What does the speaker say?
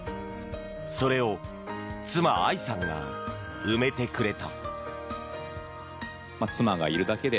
それを妻・愛さんが埋めてくれた。